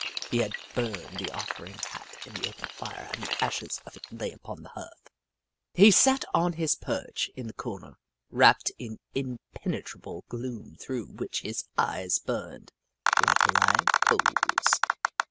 He had burned the offending hat in the open fire and the ashes of it lay upon the hearth. He sat on his perch in the corner, wrapped in im penetrable gloom through which his eyes burned like live coals.